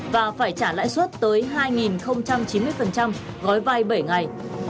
và phải trả lãi suất tới hai chín mươi gói vai bảy ngày